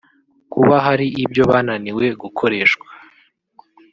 kuba hari ibyo bananiwe gukoreshwa